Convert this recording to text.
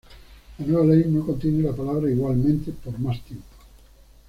La nueva Ley no contiene la palabra "igualmente" por más tiempo.